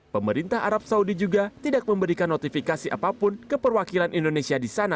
pemerintah arab saudi juga tidak memberikan notifikasi apapun ke perwakilan indonesia di sana